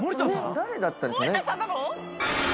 誰だったんでしょうね？